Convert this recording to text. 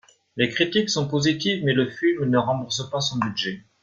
Les critiques sont positives, mais le film ne rembourse pas son budget.